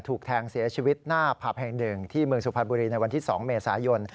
ถูกแทงเสียชีวิตหน้าผับแห่งหนึ่งที่เมืองสุพรรณบุรีในวันที่๒เมษายน